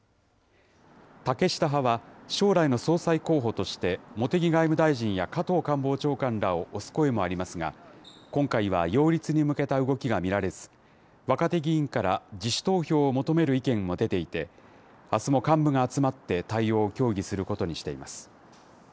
竹下派は、将来の総裁候補として、茂木外務大臣や加藤官房長官らを推す声もありますが、今回は擁立に向けた動きが見られず、若手議員から自主投票を求める意見も出ていて、あすも幹部が集まって対応を協議することにしています。